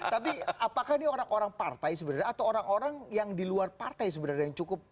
tapi apakah ini orang orang partai sebenarnya atau orang orang yang di luar partai sebenarnya yang cukup